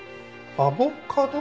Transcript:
アボカド？